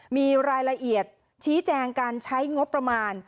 มีรายละเอียดชี้แจงการใช้งบประมาณ